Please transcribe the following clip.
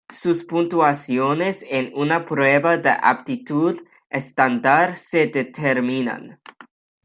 Sus puntuaciones en una prueba de aptitud estándar se determinan.